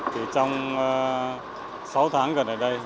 thì trong sáu tháng gần đây